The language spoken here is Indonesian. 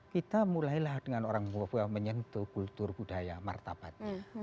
kita mulailah dengan orang papua menyentuh kultur budaya martabat